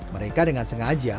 mereka dengan sengaja